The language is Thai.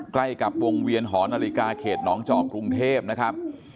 ใกล้กับวงเวียนหอนาฬิกาเขตหนองจอกกรุงเทพนะครับ